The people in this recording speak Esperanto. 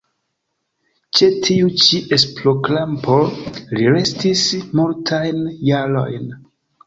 Ĉe tiu ĉi esplorkampo li restis multajn jarojn.